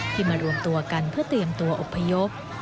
มารวมตัวกันเพื่อเตรียมตัวอบพยพ